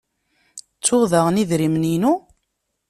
Ttuɣ daɣen idrimen-inu?